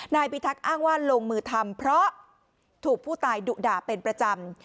นายพิทักษ์อ้างว่าลงมือทำเพราะถูกผู้ตายดุด่าเป็นประจำ